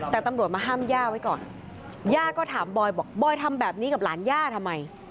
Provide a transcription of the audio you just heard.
แต่ตำรวจมาห้ามย่าไว้ก่อนย่าก็ถามบอยบอกบอยทำแบบนี้กับหลานย่าทำไม